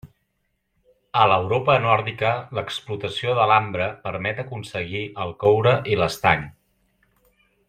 A l'Europa Nòrdica l'explotació de l'ambre permet aconseguir el coure i l'estany.